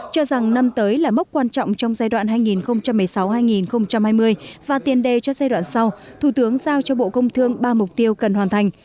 cho rằng năm tới là mốc quan trọng trong giai đoạn hai nghìn một mươi sáu hai nghìn hai mươi và tiền đề cho giai đoạn sau thủ tướng giao cho bộ công thương ba mục tiêu cần hoàn thành